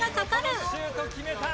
見事なシュート決めた！